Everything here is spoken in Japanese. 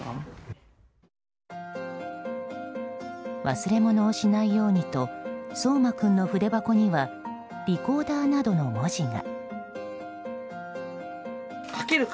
忘れ物をしないようにと颯馬君の筆箱にはリコーダーなどの文字が。